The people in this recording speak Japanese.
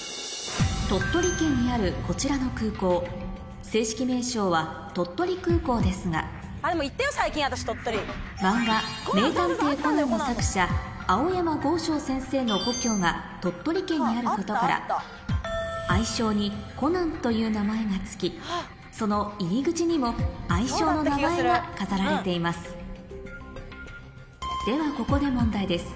鳥取県にあるこちらの空港正式名称は鳥取空港ですが漫画が鳥取県にあることから愛称にコナンという名前が付きその入り口にも愛称の名前が飾られていますではここで問題です